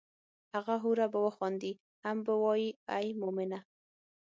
هغه حوره به وخاندي هم به وائي ای مومنه!